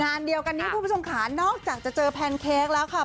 งานเดียวกันนี้คุณผู้ชมค่ะนอกจากจะเจอแพนเค้กแล้วค่ะ